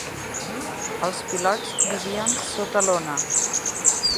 Els pilots vivien sota lona.